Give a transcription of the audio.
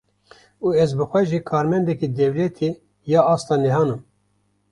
Û ez bi xwe jî karmendekî dewletê yê asta nehan im.